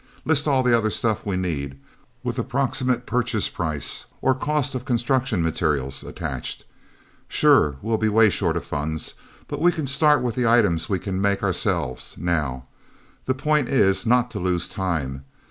List all the other stuff we need with approximate purchase price, or cost of construction materials, attached. Sure we'll be way short of funds. But we can start with the items we can make, ourselves, now. The point is not to lose time.